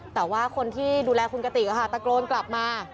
แต่ว่าคนที่ดูแลคุณกติกตะโกนกลับมา